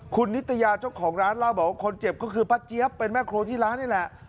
คุณนิตยาเจ้าของร้านเล่าบอกว่าคนเจ็บก็คือป้าเจี๊ยบเป็นแม่ครัวที่ร้านนี่แหละ